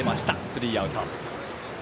スリーアウト。